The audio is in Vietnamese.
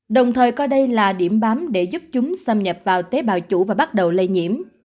đồng thời coi đây là điểm bám để giúp chúng xâm nhập vào tế bào chủ và bắt đầu lây nhiễm